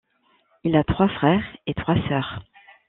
Il a trois frères et trois sœurs.